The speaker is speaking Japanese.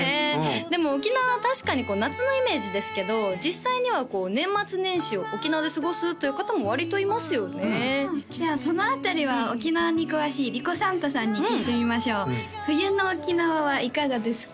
でも沖縄は確かに夏のイメージですけど実際には年末年始を沖縄で過ごすという方も割といますよねじゃあそのあたりは沖縄に詳しいリコサンタさんに聞いてみましょう冬の沖縄はいかがですか？